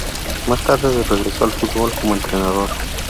Más tarde regresó al fútbol como entrenador.